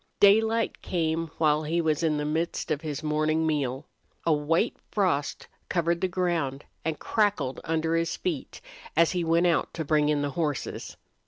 Daylight came while he was in the midst of his morning meal. A white frost covered the ground and crackled under his feet as he went out to bring in the horses.